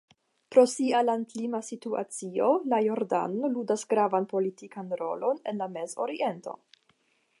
Pro sia landlima situacio, la Jordano ludas gravan politikan rolon en la Mezoriento.